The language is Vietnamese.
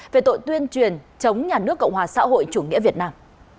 về tội tuyên truyền chống nhà nước cộng hòa xã hội chủ nghĩa việt nam